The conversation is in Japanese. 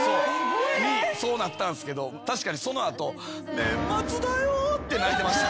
そうなったんすけど確かにその後。って泣いてました。